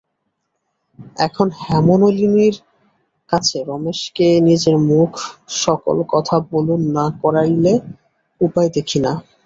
এখন হেমনলিনীর কাছে রমেশকে নিজের মুখে সকল কথা কবুল না করাইলে উপায় দেখি না।